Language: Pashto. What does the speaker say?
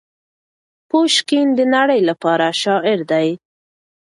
پوشکین د نړۍ لپاره شاعر دی.